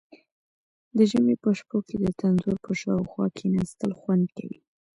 د ژمي په شپو کې د تندور په شاوخوا کیناستل خوند کوي.